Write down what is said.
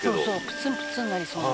「プツンプツンなりそうな」